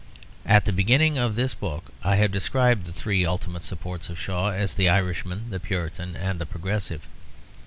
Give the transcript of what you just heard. At the beginning of this book I have described the three ultimate supports of Shaw as the Irishman, the Puritan, and the Progressive.